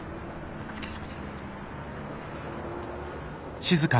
お疲れさまです。